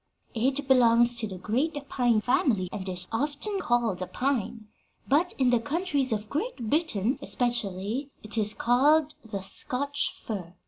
It belongs to the great pine family and is often called a pine, but in the countries of Great Britain especially it is called the Scotch fir.